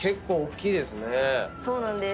そうなんです。